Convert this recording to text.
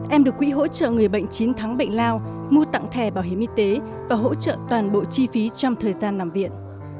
em được quỹ hỗ trợ người bệnh chín tháng bệnh lao mua tặng thẻ bảo hiểm y tế và hỗ trợ toàn bộ chi phí trong thời gian nằm viện